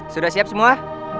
sudah siap semua